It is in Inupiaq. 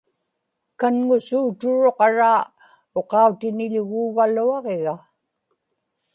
kanŋusuuturuq araa uqautiniḷuguugaluaġiga